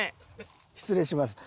失礼します。